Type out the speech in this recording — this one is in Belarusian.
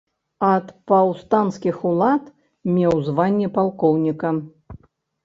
Ад паўстанцкіх улад меў званне палкоўніка.